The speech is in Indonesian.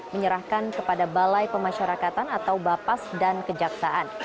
menyerahkan kepada balai pemasyarakatan atau bapas dan kejaksaan